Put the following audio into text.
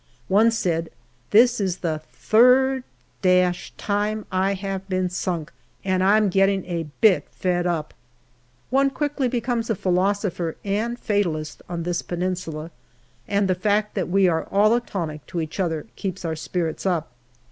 One said, " This is the third time I have been sunk, and I'm getting a bit fed up/' One quickly becomes a philosopher and fatalist on this Peninsula, and the fact that we are all a tonic to each other keeps our spirits up.